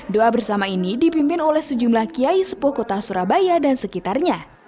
doa bersama ini dipimpin oleh sejumlah kiai sepuh kota surabaya dan sekitarnya